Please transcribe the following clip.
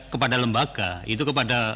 kepada lembaga itu kepada